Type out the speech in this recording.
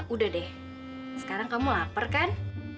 udah deh sekarang kamu lapar kan